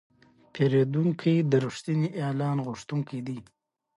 پیرودونکی د رښتیني اعلان غوښتونکی دی.